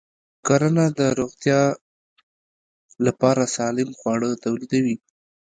کرنه د روغتیا لپاره سالم خواړه تولیدوي.